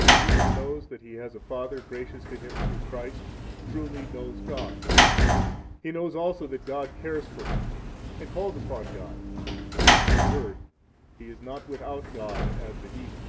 24 Now he that knows that he has a Father gracious to him through Christ, truly knows God; he knows also that God cares for him, and calls upon God; in a word, he is not 25 without God, as the heathen.